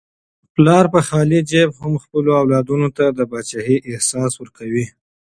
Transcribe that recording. پلار په خالي جیب هم خپلو اولادونو ته د پاچاهۍ احساس ورکوي.